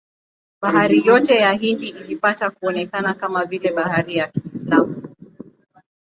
Bahari yote ya Hindi ilipata kuonekana kama vile bahari ya Kiislamu.